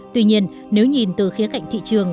tuy nhiên nếu nhìn từ khía cạnh thị trường